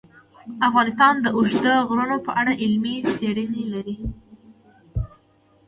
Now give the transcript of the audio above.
افغانستان د اوږده غرونه په اړه علمي څېړنې لري.